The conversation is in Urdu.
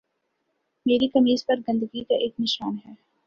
میری قمیض پر گندگی کا ایک نشان ہے